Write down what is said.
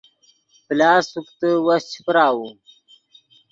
پلاس سوکتے وس چے پراؤو